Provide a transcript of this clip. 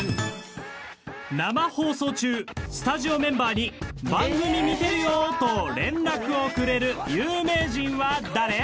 生放送中、スタジオメンバーに番組見てるよ！と連絡をくれる有名人は誰？